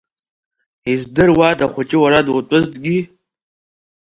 Издыруада ахәыҷы уара дутәызҭгьы?